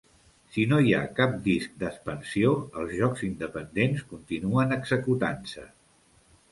Si no hi ha cap disc d'expansió, el jocs independents continuen executant-se.